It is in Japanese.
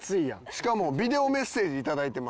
しかもビデオメッセージ頂いてます。